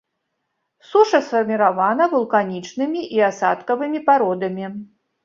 Суша сфарміравана вулканічнымі і асадкавымі пародамі.